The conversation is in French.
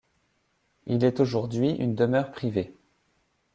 Il est aujourd'hui une demeure privée.